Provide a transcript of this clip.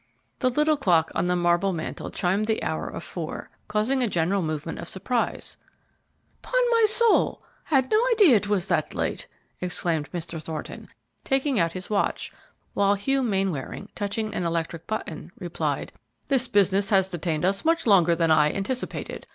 The little clock on the marble mantel chimed the hour of four, causing a general movement of surprise. "'Pon my soul! had no idea it was that late," exclaimed Mr. Thornton, taking out his watch, while Hugh Mainwaring, touching an electric button, replied, "This business has detained us much longer than I anticipated.